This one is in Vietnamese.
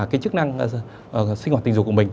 cái chức năng sinh hoạt tình dục của mình